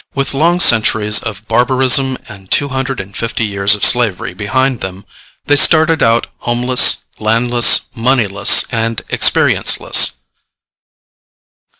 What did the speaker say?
With long centuries of barbarism and two hundred and fifty years of slavery behind them, they started out homeless, landless, moneyless and experienceless.